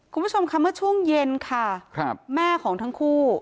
คุณผู้ชมค่ะเมื่อช่วงเย็นค่ะแม่ของทั้งคู่